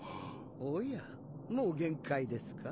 おやもう限界ですか？